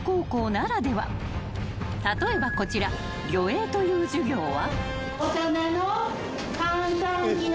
［例えばこちら「旅営」という授業は］